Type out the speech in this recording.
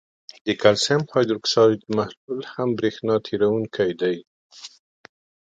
د کلسیم هایدروکساید محلول هم برېښنا تیروونکی دی.